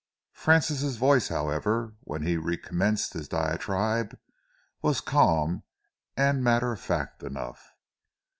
Francis' voice, however, when he recommenced his diatribe, was calm and matter of fact enough.